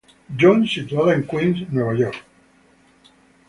John's, situada en Queens, Nueva York.